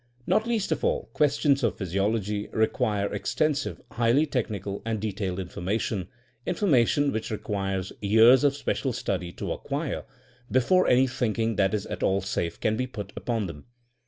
Not least of all, questions of physiology require extensive, highly technical and detailed information — ^information which requires years of special study to acquire — be fore any thinking that is at all safe can be put upon them.